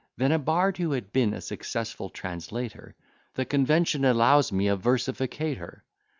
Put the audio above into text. Then a bard who had been a successful translator, "The convention allows me a versificator."